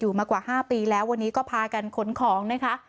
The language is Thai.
มากว่า๕ปีแล้ววันนี้ก็พากันขนของนะคะ